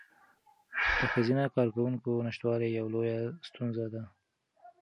د ښځینه کارکوونکو نشتوالی یوه لویه ستونزه ده.